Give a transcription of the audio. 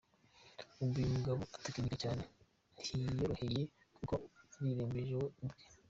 Ubu uyu mugabo utekinika cyane ntiyiyoroheye kuko arirembeje we ubwe!